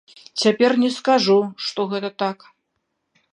Цяпер не скажу, што гэта так.